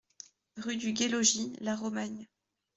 Rue du Gai Logis, La Romagne